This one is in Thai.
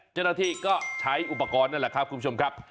เจ้าหน้าที่ก็ใช้อุปกรณ์นั่นแหละครับคุณผู้ชมครับ